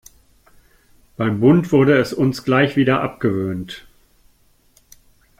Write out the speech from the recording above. Beim Bund wurde es uns gleich wieder abgewöhnt.